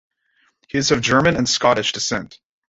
He is of German and Scottish descent.